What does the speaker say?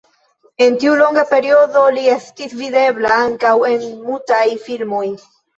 En tiu longa periodo li estis videbla ankaŭ en mutaj filmoj.